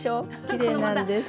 きれいなんです。